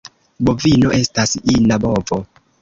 Bovino estas ina bovo.